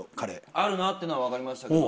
あるなっていうのはわかりましたけど